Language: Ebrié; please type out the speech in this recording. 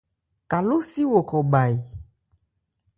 Kalósi wo khɔ bha e ?